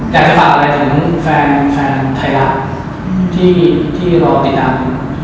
แต่จะฝันอะไรจงทุนทุนแฟนใครรักที่เราติดตามจองฝัน